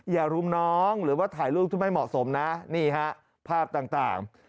อย่ารุมน้องหรือว่าถ่ายรูปที่ไม่เหมาะสมนะนี่ฮะภาพต่าง